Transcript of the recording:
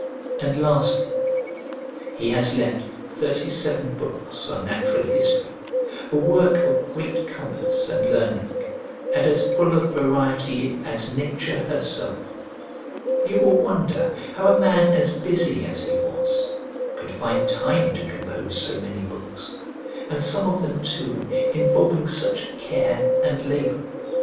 And lastly he has left thirty seven books on Natural History, a work of great compass and learning, and as full of variety as nature herself. You will wonder how a man as busy as he was could find time to compose so many books, and some of them too involving such care and labour.